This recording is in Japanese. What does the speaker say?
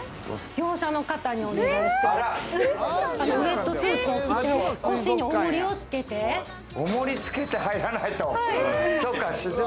業者の方にお願いしている。